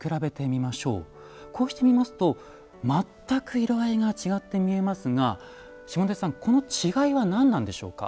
こうしてみますと全く色合いが違って見えますが下出さんこの違いは何なんでしょうか？